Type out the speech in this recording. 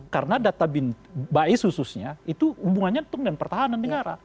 karena data bin bais khususnya itu hubungannya tum dengan pertahanan negara